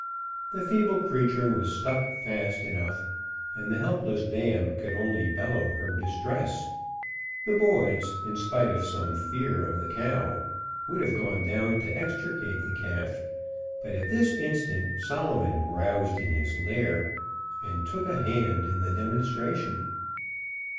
The feeble creature was stuck fast enough, and the helpless dam could only bellow her distress. The boys, in spite of some fear of the cow, would have gone down to extricate the calf, but at this instant Solomon roused in his lair, and took a hand in the demonstration.